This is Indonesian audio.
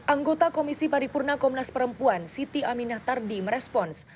anggota komisi paripurna komnas perempuan siti aminah tardi merespons